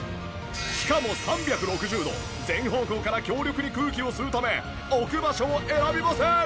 しかも３６０度全方向から強力に空気を吸うため置く場所を選びません。